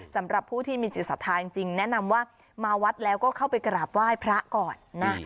สำหรับผู้ที่มีจิตศรัทธาจริงแนะนำว่ามาวัดแล้วก็เข้าไปกราบไหว้พระก่อนนะ